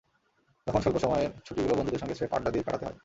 তখন স্বল্প সময়ের ছুটিগুলো বন্ধুদের সঙ্গে স্রেফ আড্ডা দিয়েই কাটাতে হয়।